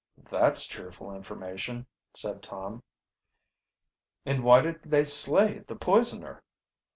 "That's cheerful information," said Tom. "And why didn't they slay the poisoner?"